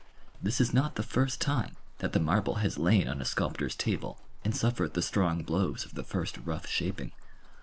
This is not the first time that the marble has lain on a sculptor's table, and suffered the strong blows of the first rough shaping.